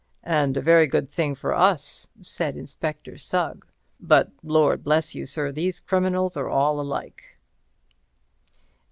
"And a very good thing for us," said Inspector Sugg, "but Lord bless you, sir, these criminals are all alike."